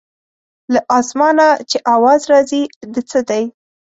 له اسمانه چې اواز راځي د څه دی.